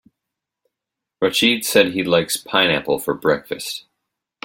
Rachid said he likes pineapple for breakfast.